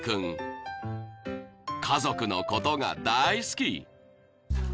［家族のことが大好き］